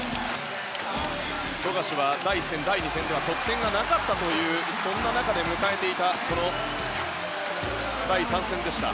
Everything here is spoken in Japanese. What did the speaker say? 富樫は第１戦、第２戦では得点がなかったというそんな中で迎えていた第３戦でした。